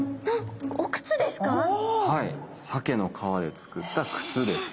はいサケの皮で作った靴です。